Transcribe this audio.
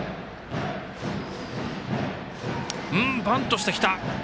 バントしてきた。